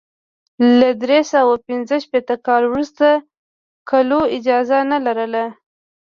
له درې سوه پنځه شپېته کال وروسته کلو اجازه نه لرله.